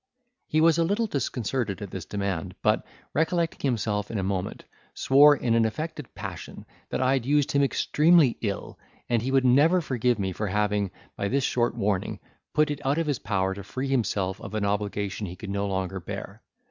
He was a little disconcerted at this demand; but, recollecting himself in a moment, swore in an affected passion, that I had used him extremely ill, and he would never forgive me for having, by this short warning, put it out of his power to free himself of an obligation he could no longer bear.